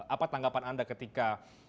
apa tanggapan anda ketika